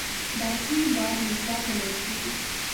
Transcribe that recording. برقي بار مثبت یا منفي وي.